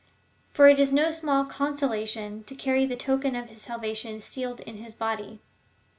For it is no small consolation to carry the token of his salvation sealed in his body.